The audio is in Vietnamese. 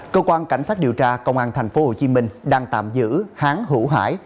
cơ quan cảnh sát điều tra công an thành phố hồ chí minh đang tạm giữ hán hữu hải